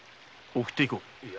送っていこう。